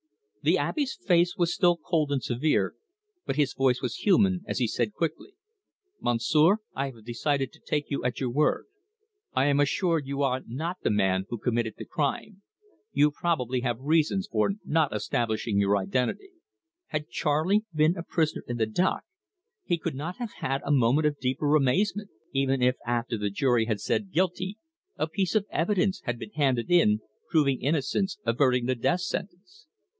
The Abbe's face was still cold and severe, but his voice was human as he said quickly: "Monsieur, I have decided to take you at your word. I am assured you are not the man who committed the crime. You probably have reasons for not establishing your identity." Had Charley been a prisoner in the dock, he could not have had a moment of deeper amazement even if after the jury had said Guilty, a piece of evidence had been handed in, proving innocence, averting the death sentence.